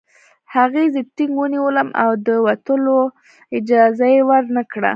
هغې زه ټینګ ونیولم او د وتلو اجازه یې ورنکړه